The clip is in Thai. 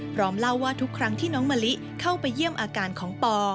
เล่าว่าทุกครั้งที่น้องมะลิเข้าไปเยี่ยมอาการของปอ